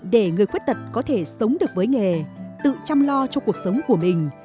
để người khuyết tật có thể sống được với nghề tự chăm lo cho cuộc sống của mình